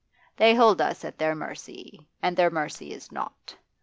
They hold us at their mercy, and their mercy is nought.